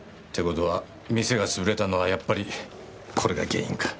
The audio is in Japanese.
事は店が潰れたのはやっぱりこれが原因か。